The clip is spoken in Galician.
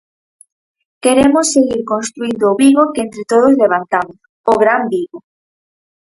Queremos seguir construíndo o Vigo que entre todos levantamos, o gran Vigo.